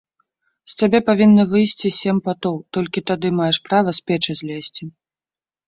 З цябе павінна выйсці сем патоў, толькі тады маеш права з печы злезці!